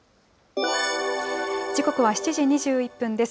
時刻は７時２１分です。